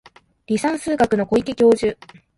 離散数学の小池教授